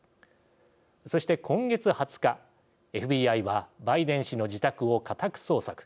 そして今月２０日、ＦＢＩはバイデン氏の自宅を家宅捜索。